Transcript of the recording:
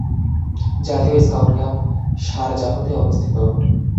জাতীয় scout camp শারজাহতে অবস্থিত।